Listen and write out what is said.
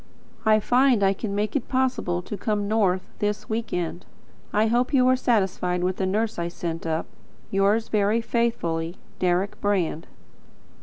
I find I can make it possible to come north this week end. I hope you are satisfied with the nurse I sent up. Yours very faithfully, Deryck Brand.